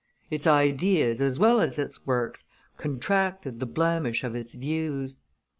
Its ideas as well as its works contracted the blemish of its views.